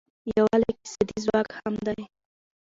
یووالی اقتصادي ځواک هم دی.